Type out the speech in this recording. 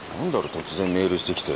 突然メールしてきて。